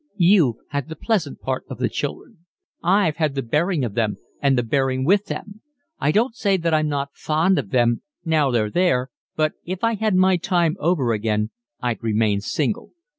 "You've had the pleasant part of the children, I've had the bearing of them, and the bearing with them. I don't say that I'm not fond of them, now they're there, but if I had my time over again I'd remain single.